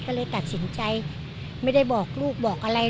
ก็เลยตัดสินใจไม่ได้บอกลูกบอกอะไร